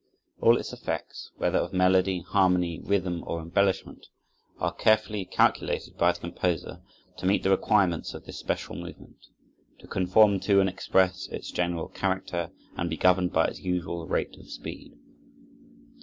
All its effects, whether of melody, harmony, rhythm, or embellishment, are carefully calculated by the composer to meet the requirements of this special movement, to conform to and express its general character and be governed by its usual rate of speed.